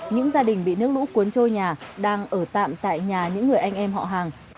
những gia đình bị nước lũ cuốn trôi nhà đang ở tạm tại nhà những người anh em họ hàng